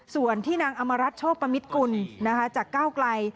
ส่วนที่นางอมรัฐโชคปมิตกุลจากก้าวไกล